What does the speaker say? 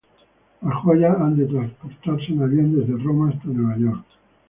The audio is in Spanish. Las joyas han de transportarse en avión desde Roma hasta Nueva York.